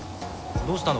どうしたの？